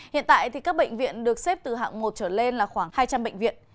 hiện tại các bệnh viện được xếp từ hạng một trở lên là khoảng hai trăm linh bệnh viện